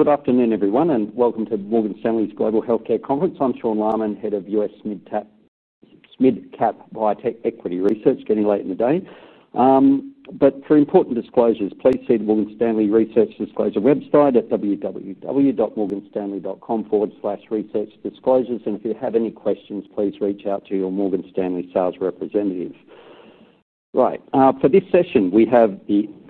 Good afternoon, everyone, and welcome to Morgan Stanley's Global Healthcare Conference. I'm Sean Laaman, Head of U.S. Mid-Cap Biotech Equity Research. For important disclosures, please see the Morgan Stanley Research Disclosure website at www.morganstanley.com/researchdisclosures. If you have any questions, please reach out to your Morgan Stanley sales representative. For this session, we have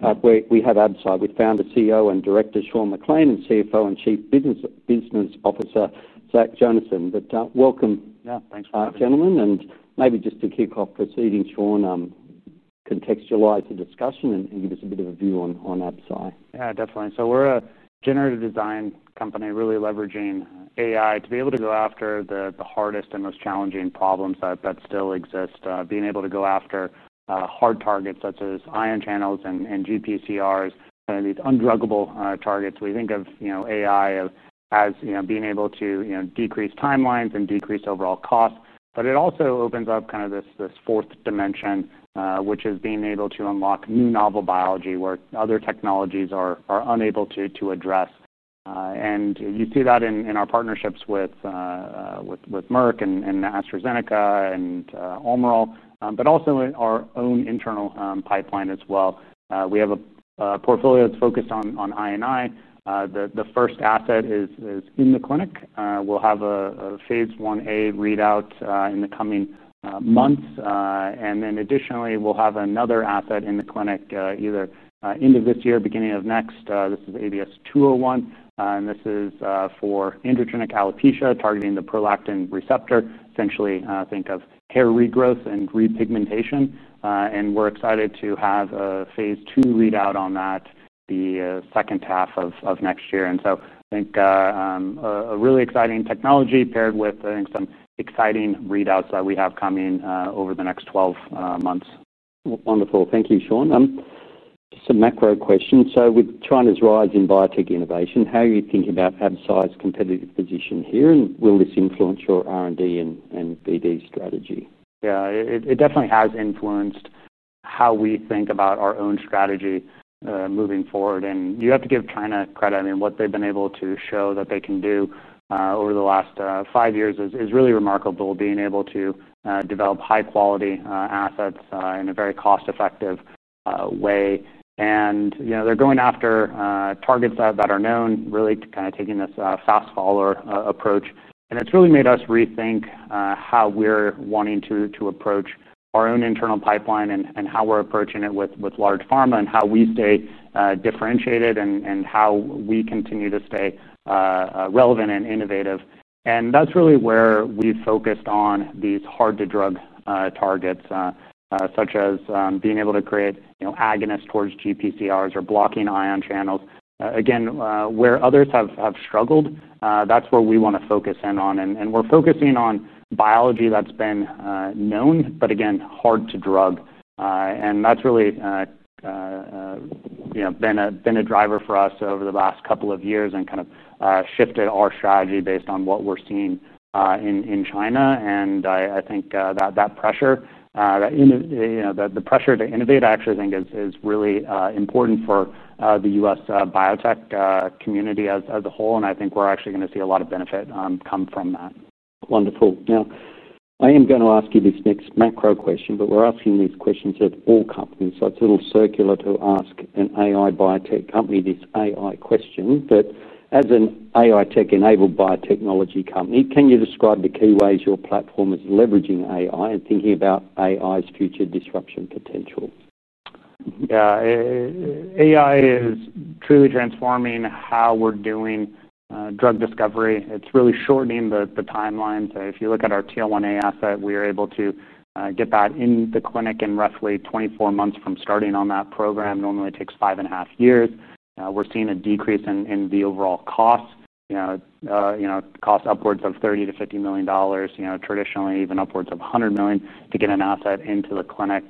Absci with Founder, CEO, and Director Sean McClain, and CFO and Chief Business Officer Zach Jonasson. Welcome. Yeah, thanks for having me. Gentlemen, maybe just to kick off proceedings, Sean, contextualize the discussion and give us a bit of a view on Absci. Yeah, definitely. We're a generative design company really leveraging AI to be able to go after the hardest and most challenging problems that still exist. Being able to go after hard targets such as ion channels and GPCRs, these undruggable targets, we think of AI as being able to decrease timelines and decrease overall costs. It also opens up this fourth dimension, which is being able to unlock new novel biology where other technologies are unable to address. You see that in our partnerships with Merck, AstraZeneca, and Almirall, but also in our own internal pipeline as well. We have a portfolio that's focused on INI. The first asset is in the clinic. We'll have a Phase 1A readout in the coming months. Additionally, we'll have another asset in the clinic, either end of this year or beginning of next. This is ABS-201, and this is for androgenetic alopecia targeting the prolactin receptor. Essentially, think of hair regrowth and re-pigmentation. We're excited to have a Phase 2 readout on that the second half of next year. I think it's a really exciting technology paired with some exciting readouts that we have coming over the next 12 months. Wonderful. Thank you, Sean. Just a macro question. With the tremendous rise in biotech innovation, how are you thinking about Absci's competitive position here? Will this influence your R&D and BD strategy? Yeah, it definitely has influenced how we think about our own strategy, moving forward. You have to give China credit. What they've been able to show that they can do over the last five years is really remarkable, being able to develop high-quality assets in a very cost-effective way. They're going after targets that are known, really kind of taking this fast-forward approach. It's really made us rethink how we're wanting to approach our own internal pipeline and how we're approaching it with large pharma, how we stay differentiated, and how we continue to stay relevant and innovative. That's really where we've focused on these hard-to-drug targets, such as being able to create agonists towards GPCRs or blocking ion channels. Where others have struggled, that's where we want to focus in on. We're focusing on biology that's been known, but again, hard to drug. That's really been a driver for us over the last couple of years and kind of shifted our strategy based on what we're seeing in China. I think that pressure, the pressure to innovate, I actually think is really important for the U.S. biotech community as a whole. I think we're actually going to see a lot of benefit come from that. Wonderful. Now, I am going to ask you this next macro question, but we're asking these questions of all companies. It is a little circular to ask an AI biotech company this AI question. As an AI tech-enabled biotechnology company, can you describe the key ways your platform is leveraging AI and thinking about AI's future disruption potential? Yeah, AI is truly transforming how we're doing drug discovery. It's really shortening the timeline. If you look at our TL1A asset, we are able to get that in the clinic in roughly 24 months from starting on that program. Normally, it takes 5.5 years. We're seeing a decrease in the overall cost. Cost upwards of $30 million-$50 million, traditionally even upwards of $100 million to get an asset into the clinic.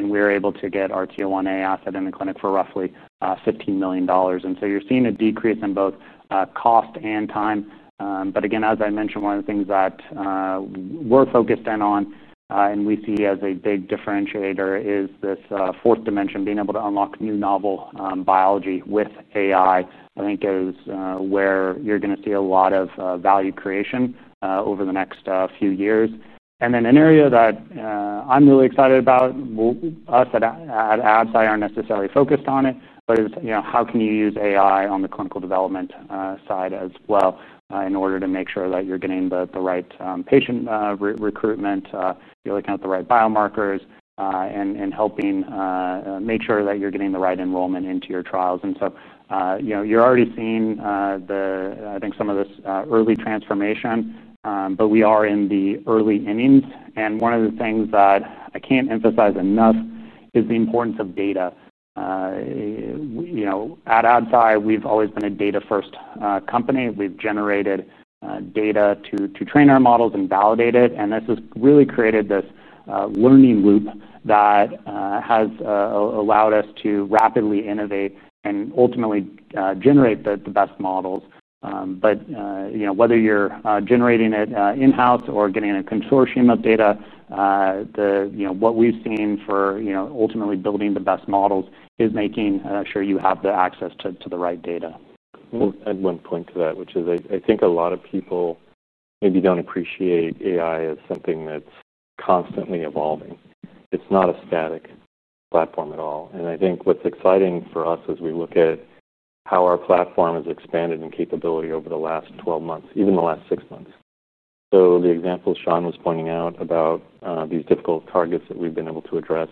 We are able to get our TL1A asset in the clinic for roughly $15 million. You are seeing a decrease in both cost and time. As I mentioned, one of the things that we're focused in on and we see as a big differentiator is this fourth dimension, being able to unlock new novel biology with AI. I think this is where you're going to see a lot of value creation over the next few years. An area that I'm really excited about, while us at Absci aren't necessarily focused on it, is how can you use AI on the clinical development side as well, in order to make sure that you're getting the right patient recruitment, you're looking at the right biomarkers, and helping make sure that you're getting the right enrollment into your trials. You're already seeing, I think, some of this early transformation, but we are in the early innings. One of the things that I can't emphasize enough is the importance of data. At Absci, we've always been a data-first company. We've generated data to train our models and validate it. This has really created this learning loop that has allowed us to rapidly innovate and ultimately generate the best models. Whether you're generating it in-house or getting a consortium of data, what we've seen for ultimately building the best models is making sure you have access to the right data. I'd make one point to that, which is I think a lot of people maybe don't appreciate AI as something that's constantly evolving. It's not a static platform at all. What's exciting for us is we look at how our platform has expanded in capability over the last 12 months, even the last six months. The examples Sean was pointing out about these difficult targets that we've been able to address,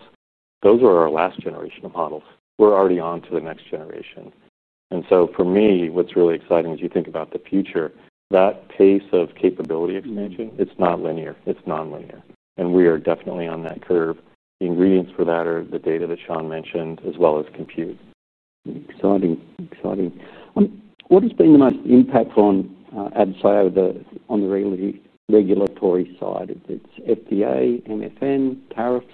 those were our last generation of models. We're already on to the next generation. For me, what's really exciting is you think about the future. That pace of capability, as you mentioned, it's not linear. It's non-linear. We are definitely on that curve. The ingredients for that are the data that Sean mentioned, as well as compute. Exciting, exciting. What has been the most impactful on Absci on the regulatory side? It's FDA, MFN, tariffs.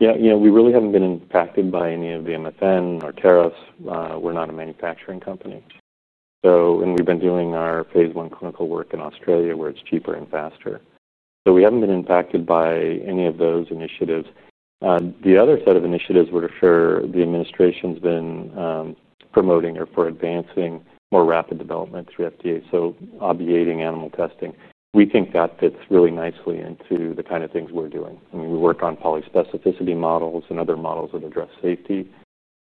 Yeah, you know, we really haven't been impacted by any of the MFN or tariffs. We're not a manufacturing company, and we've been doing our Phase 1 clinical work in Australia where it's cheaper and faster. We haven't been impacted by any of those initiatives. The other set of initiatives where the administration's been promoting or advancing more rapid development through FDA, so obviating animal testing, we think that fits really nicely into the kind of things we're doing. I mean, we work on polyspecificity models and other models that address safety.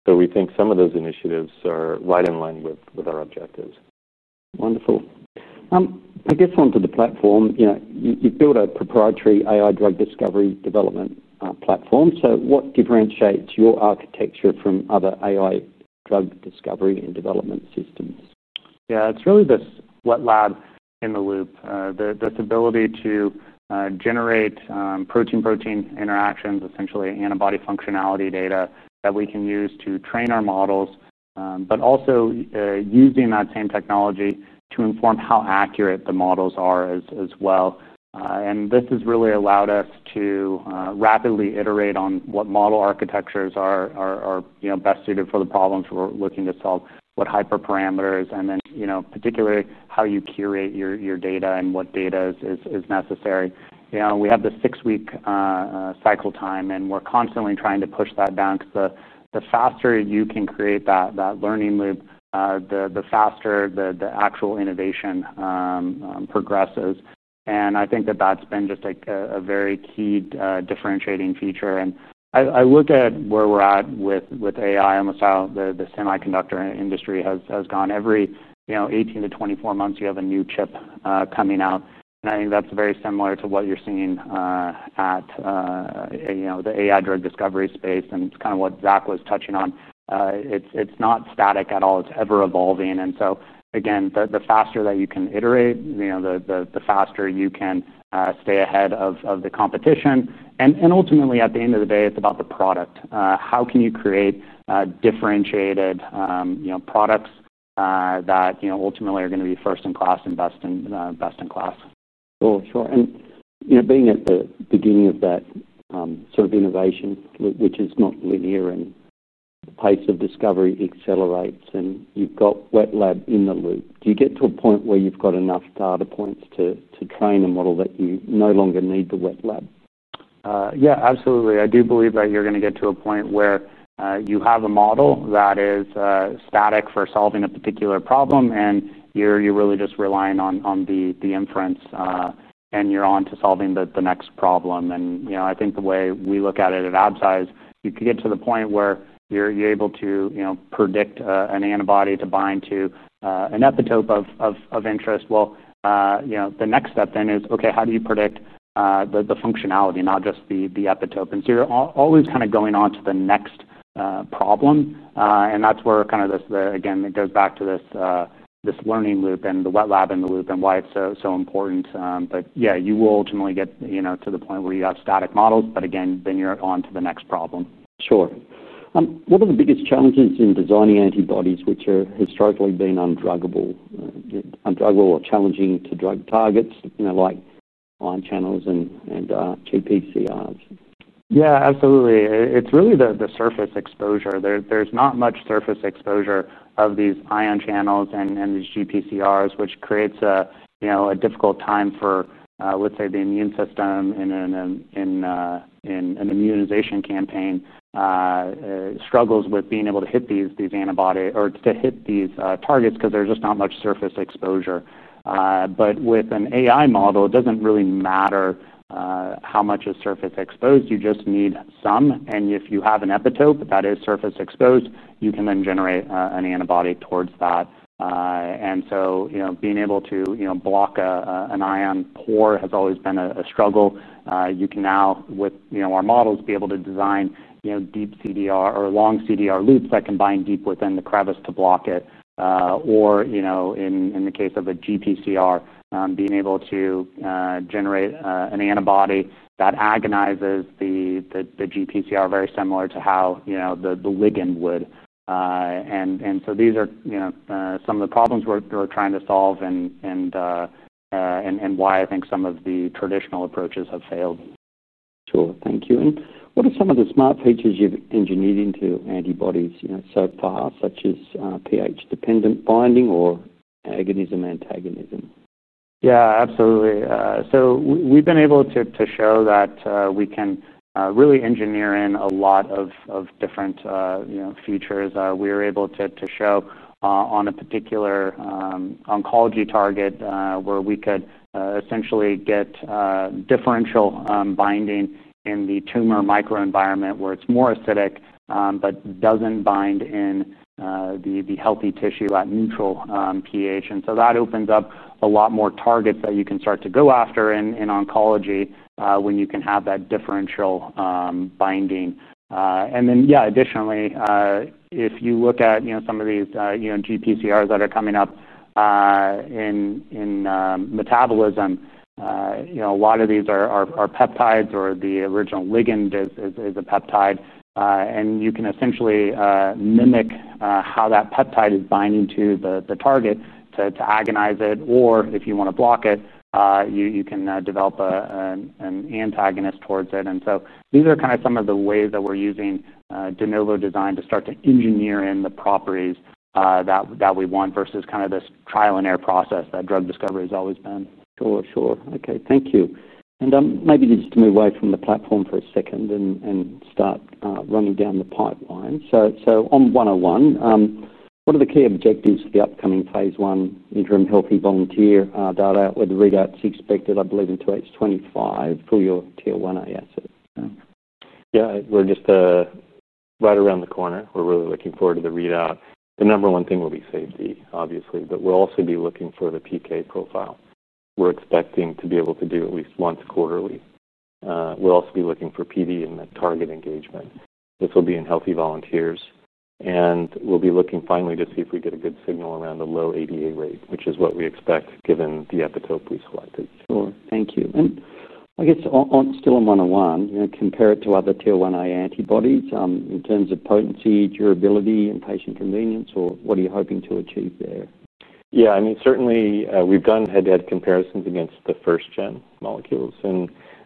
We think some of those initiatives are right in line with our objectives. Wonderful. I guess onto the platform, you know, you build a proprietary AI drug discovery development platform. What differentiates your architecture from other AI drug discovery and development systems? Yeah, it's really this wet-lab-in-the-loop, this ability to generate protein-protein interactions, essentially antibody functionality data that we can use to train our models, but also using that same technology to inform how accurate the models are as well. This has really allowed us to rapidly iterate on what model architectures are best suited for the problems we're looking to solve, what hyperparameters, and then particularly how you curate your data and what data is necessary. We have the six-week cycle time, and we're constantly trying to push that down because the faster you can create that learning loop, the faster the actual innovation progresses. I think that's been just a very key differentiating feature. I look at where we're at with AI and with how the semiconductor industry has gone. Every 18 month- 24 months, you have a new chip coming out. I think that's very similar to what you're seeing at the AI drug discovery space. It's kind of what Zach was touching on. It's not static at all. It's ever evolving. Again, the faster that you can iterate, the faster you can stay ahead of the competition. Ultimately, at the end of the day, it's about the product. How can you create differentiated products that ultimately are going to be first-in-class and best-in-class? Sure. You know, being at the beginning of that sort of innovation, which is not linear, and the pace of discovery accelerates, and you've got wet-lab-in-the-loop. Do you get to a point where you've got enough data points to train a model that you no longer need the wet lab? Yeah, absolutely. I do believe that you're going to get to a point where you have a model that is static for solving a particular problem, and you're really just relying on the inference, and you're on to solving the next problem. I think the way we look at it at Absci is you could get to the point where you're able to predict an antibody to bind to an epitope of interest. The next step then is, okay, how do you predict the functionality, not just the epitope? You're always kind of going on to the next problem. That's where it goes back to this learning loop and the wet-lab-in-the-loop and why it's so important. You will ultimately get to the point where you have static models, but then you're on to the next problem. Sure. What are the biggest challenges in designing antibodies which have historically been undruggable or challenging to drug targets, you know, like ion channels and GPCRs? Yeah, absolutely. It's really the surface exposure. There's not much surface exposure of these ion channels and these GPCRs, which creates a, you know, a difficult time for, let's say, the immune system in an immunization campaign, struggles with being able to hit these antibodies or to hit these targets because there's just not much surface exposure. With an AI model, it doesn't really matter how much is surface exposed. You just need some, and if you have an epitope that is surface exposed, you can then generate an antibody towards that. Being able to block an ion pore has always been a struggle. You can now, with our models, be able to design deep CDR or long CDR loops that combine deep within the crevice to block it. In the case of a GPCR, being able to generate an antibody that agonizes the GPCR very similar to how the ligand would. These are some of the problems we're trying to solve and why I think some of the traditional approaches have failed. Sure. Thank you. What are some of the smart features you've engineered into antibodies so far, such as pH-dependent binding or agonism/antagonism? Yeah, absolutely. We've been able to show that we can really engineer in a lot of different features. We were able to show, on a particular oncology target, where we could essentially get differential binding in the tumor microenvironment where it's more acidic, but it doesn't bind in the healthy tissue at neutral pH. That opens up a lot more targets that you can start to go after in oncology when you can have that differential binding. Additionally, if you look at some of these GPCRs that are coming up in metabolism, a lot of these are peptides or the original ligand is a peptide. You can essentially mimic how that peptide is binding to the target to agonize it, or if you want to block it, you can develop an antagonist towards it. These are some of the ways that we're using de novo design to start to engineer in the properties that we want versus this trial and error process that drug discovery has always been. Okay, thank you. Maybe just to move away from the platform for a second and start running down the pipeline. On ABS-101, what are the key objectives for the upcoming Phase 1A mid-term healthy volunteer data with the readouts expected, I believe, in 2025 for your TL1A asset? Yeah, we're just right around the corner. We're really looking forward to the readout. The number one thing will be safety, obviously, but we'll also be looking for the PK profile. We're expecting to be able to do at least once quarterly. We'll also be looking for PD in that target engagement. This will be in healthy volunteers. We'll be looking finally to see if we get a good signal around a low ADA rate, which is what we expect given the epitope we selected. Sure. Thank you. I guess still on ABS-101, compare it to other TL1A antibodies in terms of potency, durability, and patient convenience, or what are you hoping to achieve there? Yeah, I mean, certainly, we've done head-to-head comparisons against the first-gen molecules.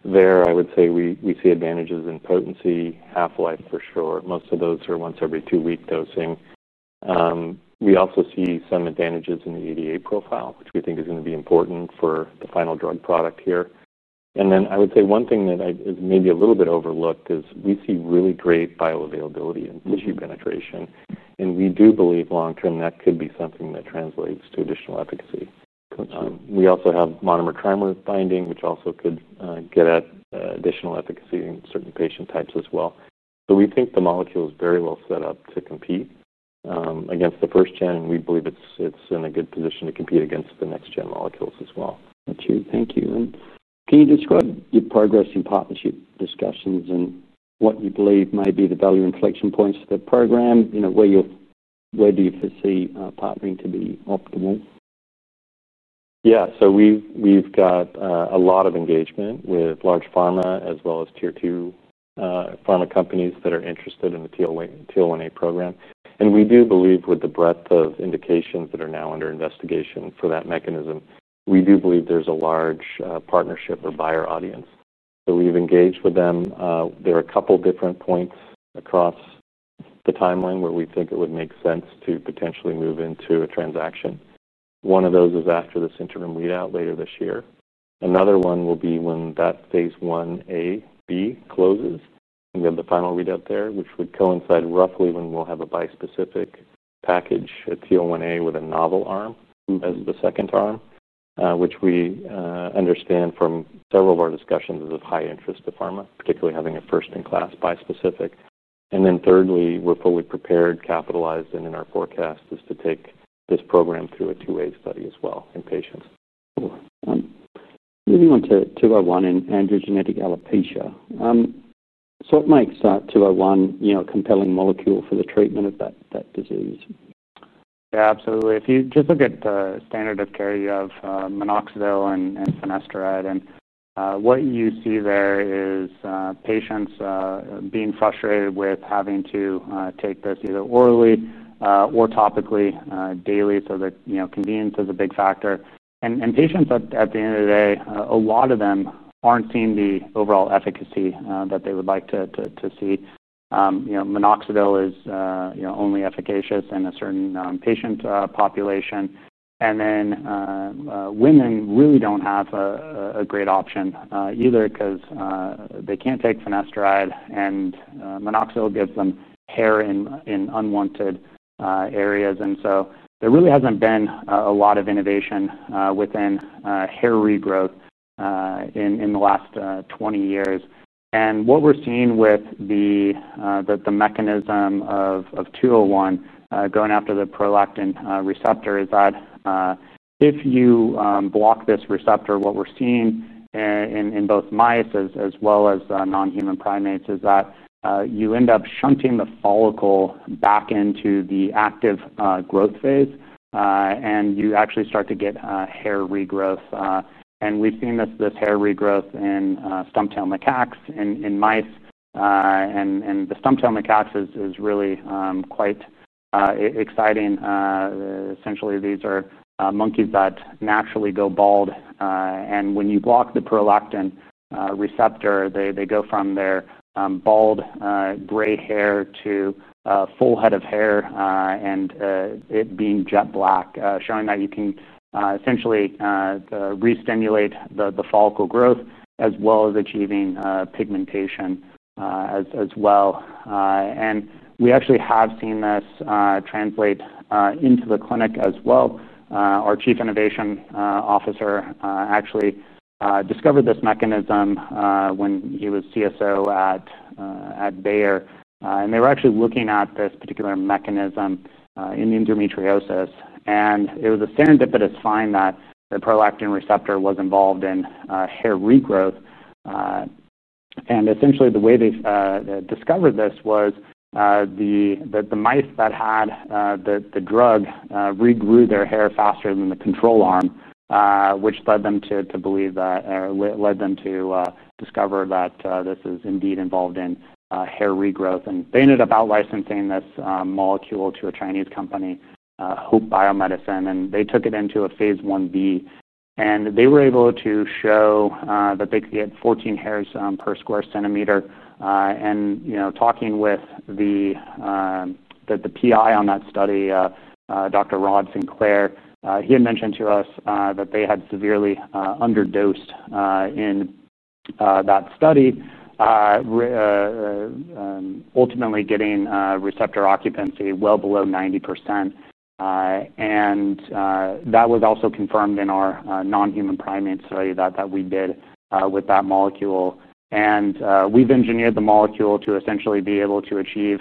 I would say we see advantages in potency, half-life for sure. Most of those are once every two-week dosing. We also see some advantages in the ADA profile, which we think is going to be important for the final drug product here. I would say one thing that is maybe a little bit overlooked is we see really great bioavailability and tissue penetration. We do believe long-term that could be something that translates to additional efficacy. We also have monomer trimer binding, which also could get at additional efficacy in certain patient types as well. We think the molecule is very well set up to compete against the first-gen, and we believe it's in a good position to compete against the next-gen molecules as well. That's true. Thank you. Can you describe your progress in partnership discussions and what you believe might be the value inflection points of the program? Where do you foresee partnering to be optimal? Yeah, we've got a lot of engagement with large pharma as well as tier two pharma companies that are interested in the TL1A program. We do believe with the breadth of indications that are now under investigation for that mechanism, there's a large partnership or buyer audience. We've engaged with them. There are a couple different points across the timeline where we think it would make sense to potentially move into a transaction. One of those is after this interim readout later this year. Another one will be when that Phase 1A closes. We have the final readout there, which would coincide roughly when we'll have a bispecific package at TL1A with a novel arm as the second arm, which we understand from several of our discussions is of high interest to pharma, particularly having a first-in-class bispecific. Thirdly, we're fully prepared, capitalized, and in our forecast is to take this program through a two-way study as well in patients. Moving on to our one in androgenetic alopecia. What makes that ABS-201, you know, a compelling molecule for the treatment of that disease? Yeah, absolutely. If you just look at the standard of care, you have minoxidil and finasteride, and what you see there is patients being frustrated with having to take this either orally or topically daily. Convenience is a big factor. Patients at the end of the day, a lot of them aren't seeing the overall efficacy that they would like to see. Minoxidil is only efficacious in a certain patient population. Women really don't have a great option either because they can't take finasteride, and minoxidil gives them hair in unwanted areas. There really hasn't been a lot of innovation within hair regrowth in the last 20 years. What we're seeing with the mechanism of ABS-201, going after the prolactin receptor, is that if you block this receptor, what we're seeing in both mice as well as non-human primates is that you end up shunting the follicle back into the active growth phase, and you actually start to get hair regrowth. We've seen this hair regrowth in stumptail macaques and in mice. The stumptail macaques is really quite exciting. Essentially, these are monkeys that naturally go bald, and when you block the prolactin receptor, they go from their bald, gray hair to a full head of hair, and it being jet black, showing that you can essentially re-stimulate the follicle growth as well as achieving pigmentation as well. We actually have seen this translate into the clinic as well. Our Chief Innovation Officer actually discovered this mechanism when he was CSO at Bayer, and they were actually looking at this particular mechanism in endometriosis. It was a serendipitous find that the prolactin receptor was involved in hair regrowth. Essentially, the way they discovered this was the mice that had the drug regrew their hair faster than the control arm, which led them to believe that, led them to discover that this is indeed involved in hair regrowth. They ended up out-licensing this molecule to a Chinese company, Hope Biomedicine, and they took it into a Phase 1B. They were able to show that they could get 14 hairs per square centimeter. Talking with the PI on that study, Dr. Rod Sinclair, he had mentioned to us that they had severely under-dosed in that study, ultimately getting receptor occupancy well below 90%. That was also confirmed in our non-human primates study that we did with that molecule. We've engineered the molecule to essentially be able to achieve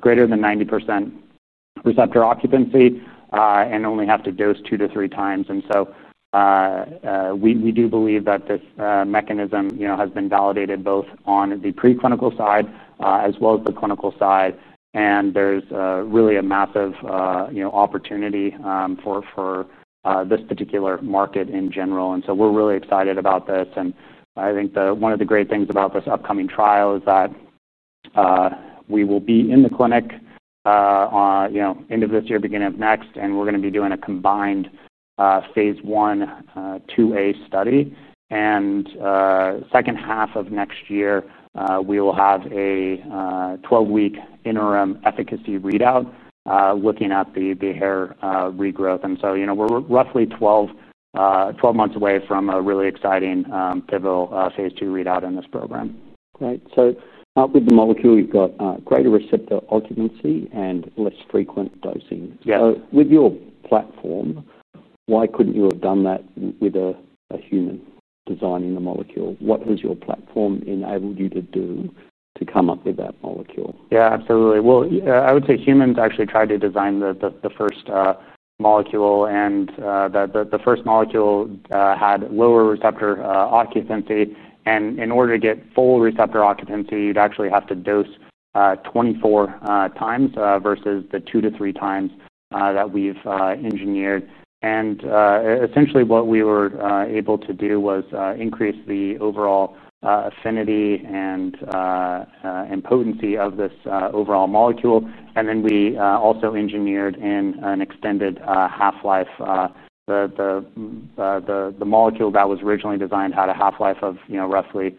greater than 90% receptor occupancy and only have to dose two to three times. We do believe that this mechanism has been validated both on the preclinical side as well as the clinical side. There's really a massive opportunity for this particular market in general. We're really excited about this. I think one of the great things about this upcoming trial is that we will be in the clinic at the end of this year, beginning of next, and we're going to be doing a combined Phase 1/2A study. In the second half of next year, we will have a 12-week interim efficacy readout looking at the hair regrowth. We're roughly 12 months away from a really exciting, pivotal Phase 2 readout in this program. With the molecule, you've got greater receptor occupancy and less frequent dosing. With your platform, why couldn't you have done that with a human designing the molecule? What has your platform enabled you to do to come up with that molecule? Absolutely. I would say humans actually tried to design the first molecule, and the first molecule had lower receptor occupancy. In order to get full receptor occupancy, you'd actually have to dose 24x, versus the 2x-3x that we've engineered. Essentially, what we were able to do was increase the overall affinity and potency of this overall molecule. We also engineered in an extended half-life. The molecule that was originally designed had a half-life of, you know, roughly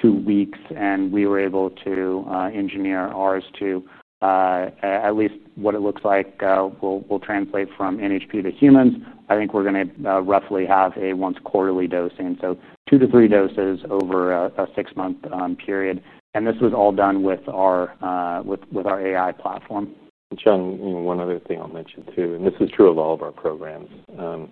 two weeks. We were able to engineer ours to, at least what it looks like, will translate from NHP to humans. I think we're going to roughly have a once quarterly dosing, so two to three doses over a six-month period. This was all done with our AI platform. Sean, one other thing I'll mention too, and this is true of all of our programs, is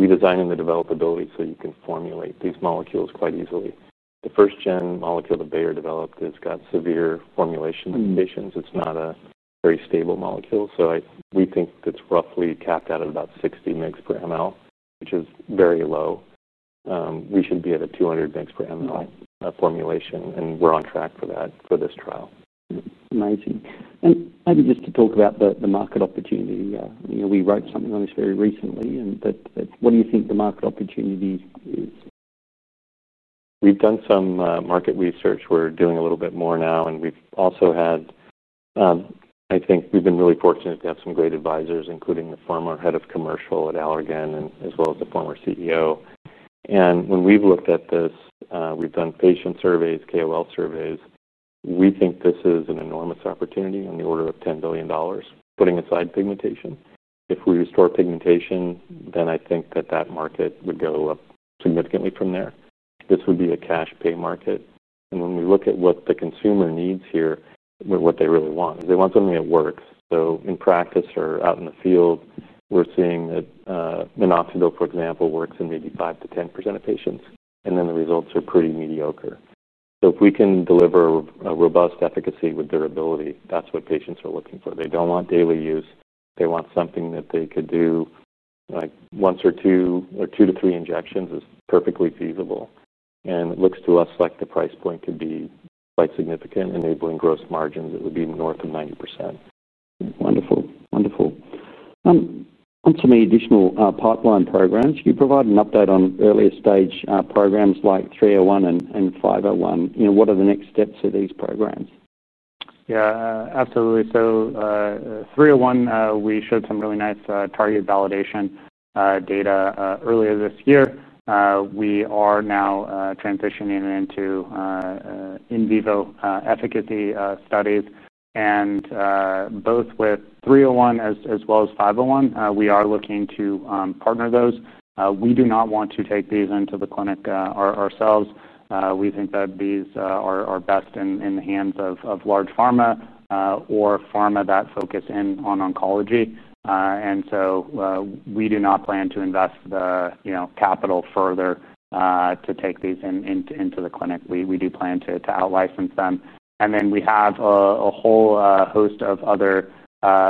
redesigning the developability so you can formulate these molecules quite easily. The first-gen molecule that Bayer developed has got severe formulation conditions. It's not a very stable molecule. We think that's roughly capped out at about 60 mg/mL, which is very low. We should be at a 200 mg/mL formulation, and we're on track for that for this trial. Amazing. Maybe just to talk about the market opportunity, you know, we wrote something on this very recently. What do you think the market opportunity is? We've done some market research. We're doing a little bit more now, and we've also had, I think we've been really fortunate to have some great advisors, including the former Head of Commercial at Allergan, as well as the former CEO. When we've looked at this, we've done patient surveys, KOL surveys. We think this is an enormous opportunity on the order of $10 billion, putting aside pigmentation. If we restore pigmentation, then I think that that market would go up significantly from there. This would be a cash-pay market. When we look at what the consumer needs here, what they really want is they want something that works. In practice or out in the field, we're seeing that minoxidil, for example, works in maybe 5%-10% of patients, and the results are pretty mediocre. If we can deliver a robust efficacy with durability, that's what patients are looking for. They don't want daily use. They want something that they could do like once or two or two to three injections is perfectly feasible. It looks to us like the price point could be quite significant, enabling gross margins that would be north of 90%. Wonderful. Onto many additional pipeline programs. Could you provide an update on earlier-stage programs like ABS-301 and ABS-501? You know, what are the next steps of these programs? Yeah, absolutely. ABS-301, we showed some really nice target validation data earlier this year. We are now transitioning into in vivo efficacy studies. Both with ABS-301 as well as ABS-501, we are looking to partner those. We do not want to take these into the clinic ourselves. We think that these are best in the hands of large pharma, or pharma that focus in on oncology. We do not plan to invest the capital further to take these into the clinic. We do plan to out-license them. We have a whole host of other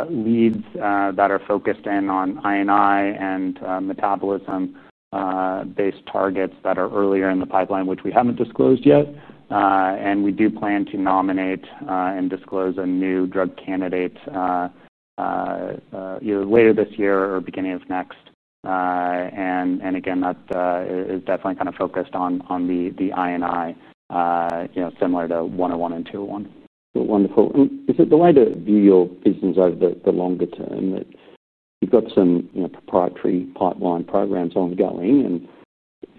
leads that are focused in on INI and metabolism-based targets that are earlier in the pipeline, which we haven't disclosed yet. We do plan to nominate and disclose a new drug candidate either later this year or beginning of next. Again, that is definitely kind of focused on the INI, you know, similar to ABS-101 and ABS-201. Wonderful. Is it the way to view your business over the longer term that you've got some proprietary pipeline programs ongoing?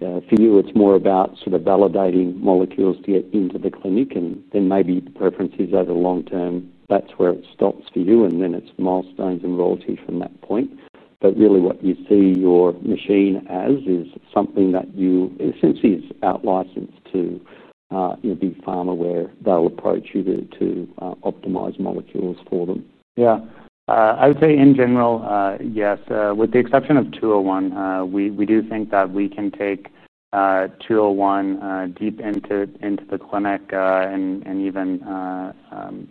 For you, it's more about validating molecules to get into the clinic, and then maybe the preferences over the long term, that's where it stops for you, and then it's milestones and royalty from that point. What you see your machine as is something that you essentially out-license to big pharma where they'll approach you to optimize molecules for them. Yeah. I would say in general, yes, with the exception of ABS-201. We do think that we can take ABS-201 deep into the clinic, and even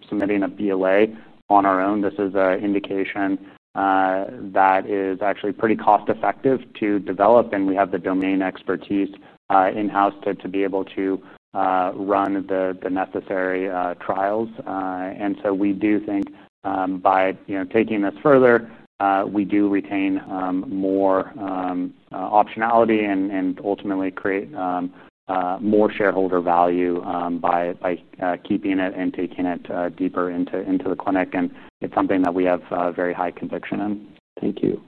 submitting a BLA on our own. This is an indication that is actually pretty cost-effective to develop, and we have the domain expertise in-house to be able to run the necessary trials. We do think by taking this further, we retain more optionality and ultimately create more shareholder value by keeping it and taking it deeper into the clinic. It's something that we have very high conviction in. Thank you.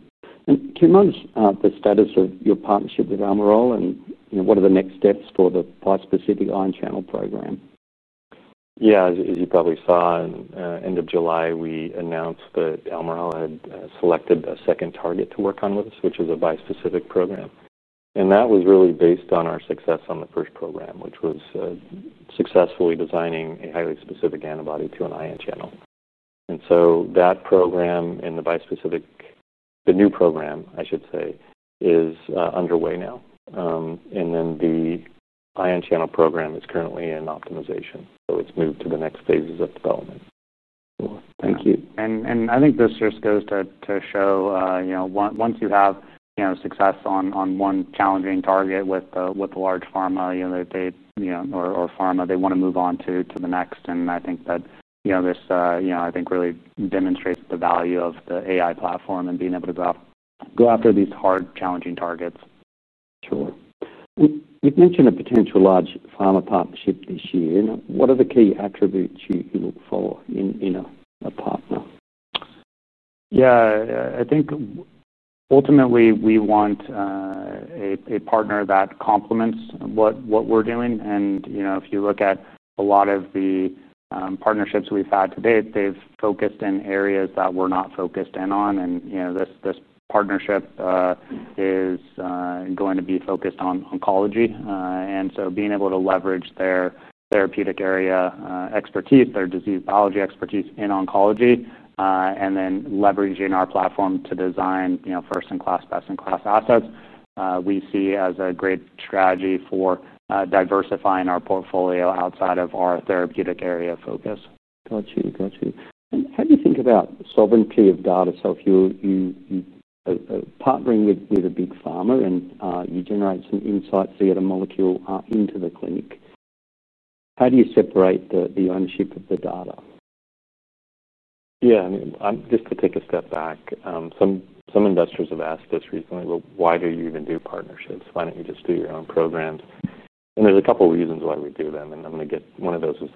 Can you manage the status of your partnership with Amgen, and what are the next steps for the biospecific ion channel program? Yeah, as you probably saw, in the end of July, we announced that Almirall had selected a second target to work on with us, which is a bispecific program. That was really based on our success on the first program, which was successfully designing a highly specific antibody to an ion channel. That program, the bispecific, the new program, I should say, is underway now, and the ion channel program is currently in optimization. It's moved to the next phases of development. Cool. Thank you. I think this just goes to show, once you have success on one challenging target with the large pharma, they want to move on to the next. I think that really demonstrates the value of the AI platform and being able to go after these hard, challenging targets. Sure. You've mentioned a potential large pharma partnership this year. What are the key attributes you look for in a partner? Yeah, I think ultimately we want a partner that complements what we're doing. If you look at a lot of the partnerships we've had to date, they've focused in areas that we're not focused in on. This partnership is going to be focused on oncology. Being able to leverage their therapeutic area expertise, their disease biology expertise in oncology, and then leveraging our platform to design first-in-class, best-in-class assets, we see as a great strategy for diversifying our portfolio outside of our therapeutic area focus. How do you think about the sovereignty of data? If you're partnering with a big pharma and you generate some insights to get a molecule into the clinic, how do you separate the ownership of the data? Yeah, I mean, just to take a step back, some investors have asked us recently, why do you even do partnerships? Why don't you just do your own programs? There are a couple of reasons why we do them. One of those is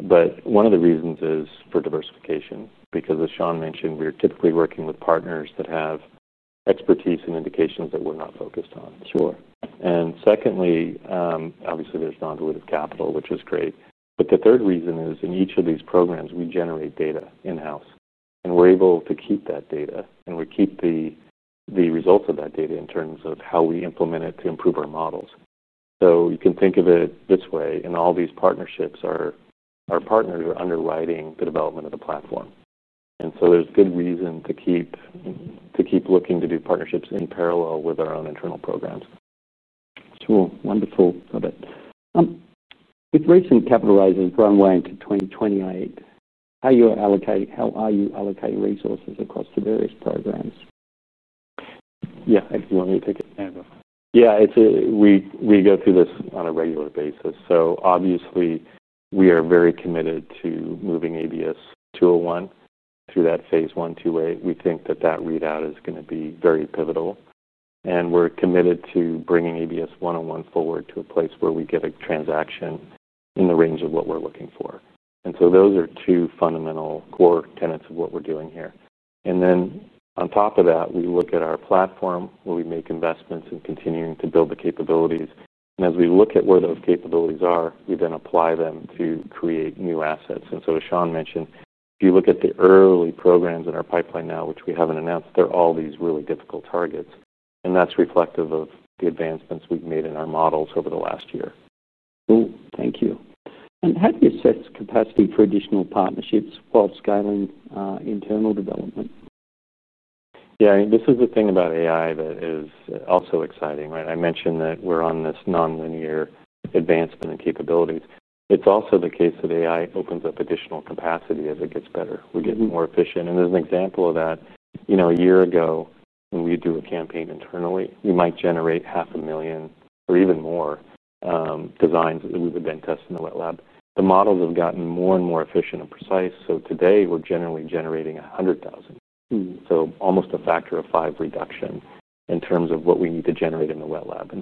the data. One of the reasons is for diversification, because as Sean mentioned, we're typically working with partners that have expertise in indications that we're not focused on. Sure. There is non-dilutive capital, which is great. The third reason is in each of these programs, we generate data in-house. We're able to keep that data, and we keep the results of that data in terms of how we implement it to improve our models. You can think of it this way: all these partnerships are our partners who are underwriting the development of the platform. There is good reason to keep looking to do partnerships in parallel with our own internal programs. Sure. Wonderful. With recent capitalizing from $1 million to 2028, how you allocate, how are you allocating resources across the various programs? I can go ahead and take it. We go through this on a regular basis. Obviously, we are very committed to moving ABS-201 through that Phase 1A two-way. We think that that readout is going to be very pivotal, and we're committed to bringing ABS-101 forward to a place where we get a transaction in the range of what we're looking for. Those are two fundamental core tenets of what we're doing here. On top of that, we look at our platform where we make investments in continuing to build the capabilities. As we look at where those capabilities are, we then apply them to create new assets. As Sean mentioned, if you look at the early programs in our pipeline now, which we haven't announced, they're all these really difficult targets. That's reflective of the advancements we've made in our models over the last year. Thank you. How do you assess capacity for additional partnerships while scaling internal development? Yeah, I mean, this is the thing about AI that is also exciting, right? I mentioned that we're on this non-linear advancement in capabilities. It's also the case that AI opens up additional capacity as it gets better. We're getting more efficient. As an example of that, you know, a year ago, when we do a campaign internally, you might generate $500,000 or even more designs that we would then test in the wet lab. The models have gotten more and more efficient and precise. Today, we're generally generating $100,000, so almost a factor of five reduction in terms of what we need to generate in the wet lab.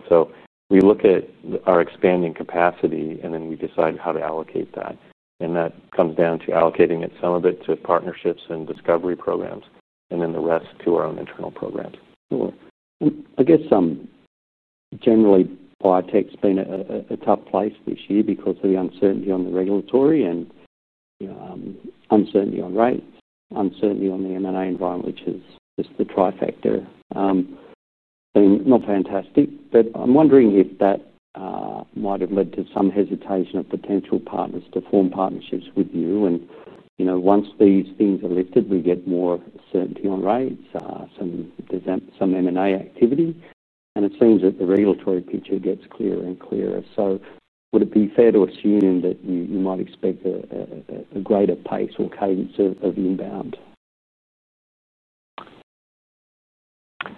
We look at our expanding capacity, and then we decide how to allocate that. That comes down to allocating some of it to partnerships and discovery programs, and then the rest to our own internal programs. Cool. I guess, generally, biotech's been a tough place this year because of the uncertainty on the regulatory and, you know, uncertainty on rates, uncertainty on the M&A environment, which is just the trifecta. Not fantastic, but I'm wondering if that might have led to some hesitation of potential partners to form partnerships with you. Once these things are lifted, we get more certainty on rates, some M&A activity, and it seems that the regulatory picture gets clearer and clearer. Would it be fair to assume that you might expect a greater pace or cadence of new bound?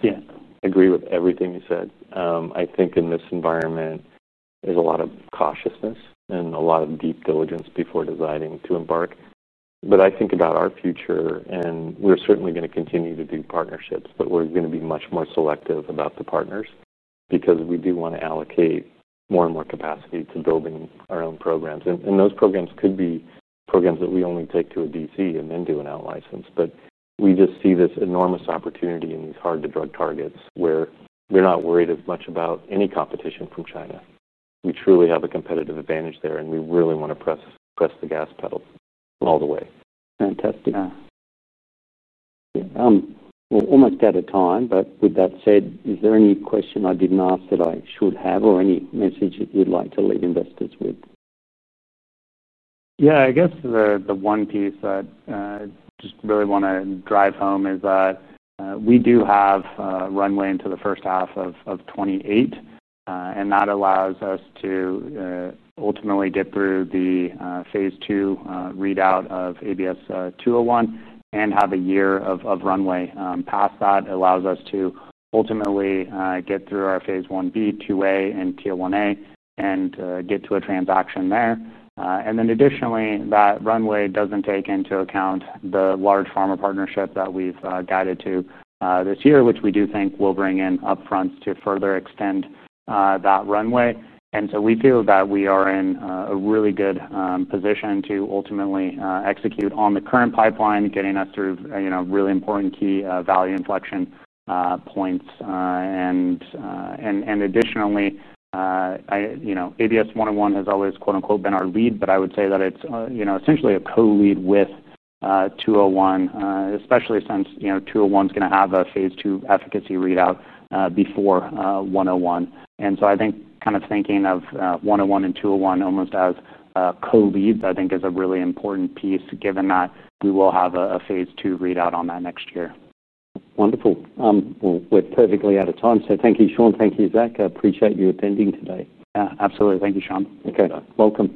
Yeah, I agree with everything you said. I think in this environment, there's a lot of cautiousness and a lot of deep diligence before deciding to embark. I think about our future, and we're certainly going to continue to do partnerships, but we're going to be much more selective about the partners because we do want to allocate more and more capacity to building our own programs. Those programs could be programs that we only take to a DC and then do an out-license. We just see this enormous opportunity in these hard-to-drug targets where they're not worried as much about any competition from China. We truly have a competitive advantage there, and we really want to press the gas pedals all the way. Fantastic. We're almost out of time, but with that said, is there any question I didn't ask that I should have or any message that you'd like to leave investors with? Yeah, I guess the one piece that I just really want to drive home is that we do have runway into the first half of 2028. That allows us to ultimately get through the Phase 2 readout of ABS-201 and have a year of runway past that. It allows us to ultimately get through our Phase 1B, 2A, and TL1A and get to a transaction there. Additionally, that runway doesn't take into account the large pharma partnership that we've guided to this year, which we do think will bring in upfront to further extend that runway. We feel that we are in a really good position to ultimately execute on the current pipeline, getting us through really important key value inflection points. Additionally, ABS-101 has always, quote unquote, been our lead, but I would say that it's essentially a co-lead with ABS-201, especially since ABS-201 is going to have a Phase 2 efficacy readout before ABS-101. I think kind of thinking of ABS-101 and ABS-201 almost as co-leads is a really important piece given that we will have a Phase 2 readout on that next year. Wonderful. We're perfectly out of time. Thank you, Sean. Thank you, Zach. I appreciate you attending today. Yeah, absolutely. Thank you, Sean. Okay. Welcome.